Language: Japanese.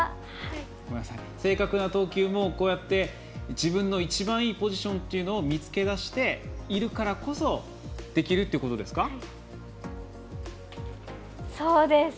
正確な投球も自分の一番ポジションというのを見つけ出しているからこそできるっていうことですか？